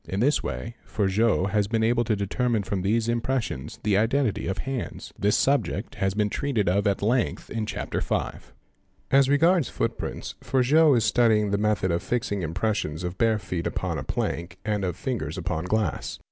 In this way Forgeot has been able to determine from these im _ pressions the identity of hands. This subject has been treated of ab length in Chapter V. As regards footprints Forgeot is studying the method of fixing | im — pressions of bare feet upon a plank and of fingers upon glass.